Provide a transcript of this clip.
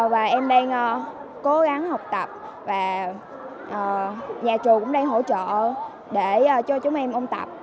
và em đang cố gắng học tập và nhà trường cũng đang hỗ trợ để cho chúng em ôn tập